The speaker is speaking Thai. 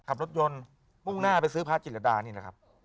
ขับรถยนต์มุ่งหน้าไปซื้อพระจิตรดานี่แหละครับ